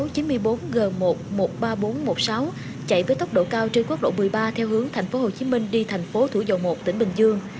chuyển số chín mươi bốn g một trăm một mươi ba nghìn bốn trăm một mươi sáu chạy với tốc độ cao trên quốc lộ một mươi ba theo hướng thành phố hồ chí minh đi thành phố thủ dầu một tỉnh bình dương